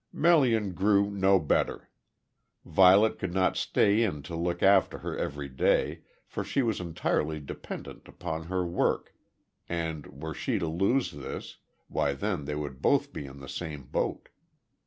Melian grew no better. Violet could not stay in to look after her every day, for she was entirely dependent upon her work, and were she to lose this, why then they would both be in the same boat.